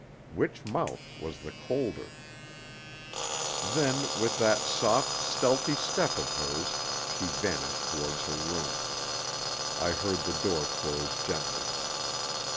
Which mouth was the colder? Then, with that soft, stealthy step of hers, she vanished towards her room. I heard the door close gently.